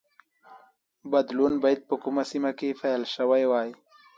بدلون باید په کومه سیمه کې پیل شوی وای.